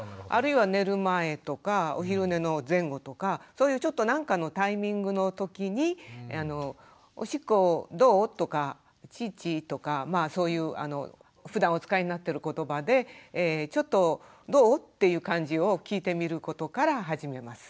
そういうちょっと何かのタイミングのときに「おしっこどう？」とか「チッチ」とかまあそういうふだんお使いになってる言葉で「ちょっとどう？」っていう感じを聞いてみることから始めます。